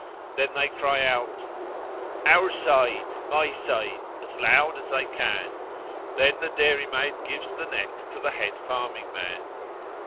Then they cry out 'Our (my) side, my side,' as loud as they can; then the dairymaid gives the neck to the head farming man.